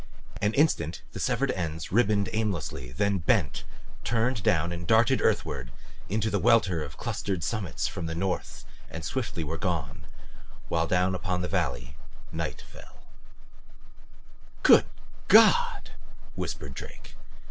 An instant the severed ends ribboned aimlessly, then bent, turned down and darted earthward into the welter of clustered summits at the north and swiftly were gone, while down upon the valley fell night. "Good God!" whispered Drake.